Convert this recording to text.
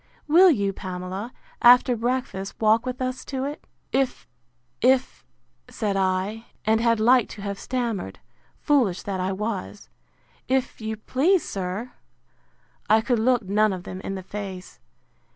Will you, Pamela, after breakfast, walk with us to it? If, if, said I, and had like to have stammered, foolish that I was! if you please, sir. I could look none of them in the face.